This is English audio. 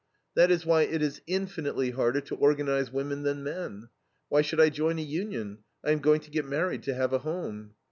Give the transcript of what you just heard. That is why it is infinitely harder to organize women than men. "Why should I join a union? I am going to get married, to have a home."